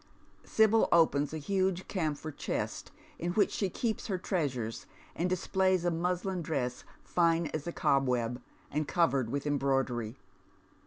Sibyl opens a huge camphor chest, in which she keeps her treasures, and displays a muslin dress fine as a cobweb, and covered with embroidery.